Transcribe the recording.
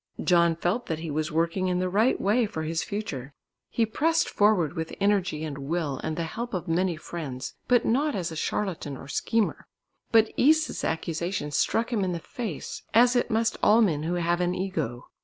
John felt that he was working in the right way for his future; he pressed forward with energy and will and the help of many friends, but not as a charlatan or schemer. But Is's accusation struck him in the face, as it must all men who have an "ego."